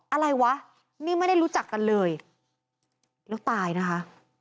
อะไรวะนี่ไม่ได้รู้จักกันเลยแล้วตายนะคะ